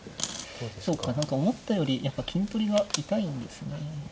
そうか何か思ったよりやっぱ金取りが痛いんですね。